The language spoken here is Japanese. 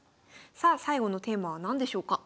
さあ最後のテーマは何でしょうか？